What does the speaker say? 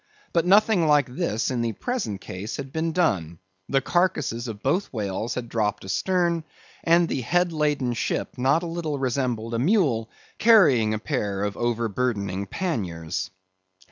But nothing like this, in the present case, had been done. The carcases of both whales had dropped astern; and the head laden ship not a little resembled a mule carrying a pair of overburdening panniers.